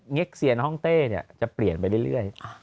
เซียนห้องเต้จะเปลี่ยนไปเรื่อย